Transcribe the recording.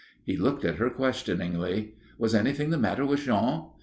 He looked at her questioningly. Was anything the matter with Jean?